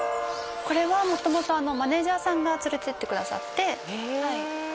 これは元々マネージャーさんが連れてってくださってはいへえ